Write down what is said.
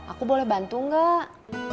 aku boleh bantu nggak